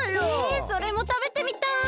えそれもたべてみたい！